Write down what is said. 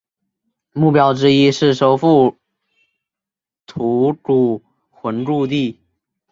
目标之一是收复吐谷浑故地。